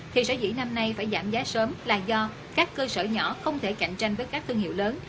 thì sở dĩ năm nay phải giảm giá sớm là do các cơ sở nhỏ không thể cạnh tranh với các thương hiệu lớn